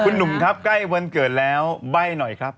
คุณหนุ่มครับใกล้วันเกิดแล้วใบ้หน่อยครับ